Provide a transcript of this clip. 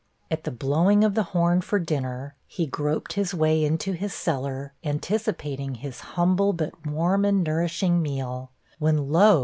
At the blowing of the horn for dinner, he groped his way into his cellar, anticipating his humble, but warm and nourishing meal; when, lo!